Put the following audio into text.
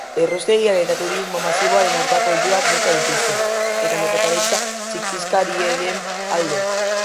Erraustegiaren eta turismo masiboaren aurkako oihuak bota dituzte, eta merkataritza txikizkariaren alde.